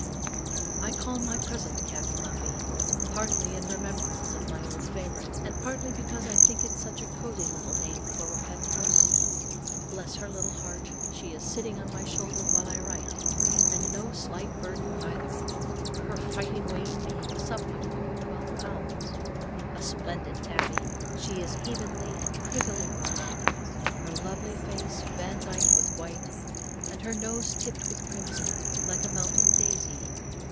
I call my present cat Muffie, partly in remembrance of my old favourite, and partly because I think it such a cosy little name for a pet puss. Bless her little heart, she is sitting on my shoulder while I write, and no slight burden either, her fighting weight being something over twelve pounds. A splendid tabby, she is evenly and prettily marked; her lovely face vandyked with white, and her nose tipped with crimson, like a mountain daisy.